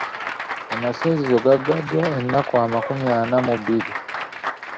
Amasinzizo gaggaddwa ennaku amakumi ana mu bbiri.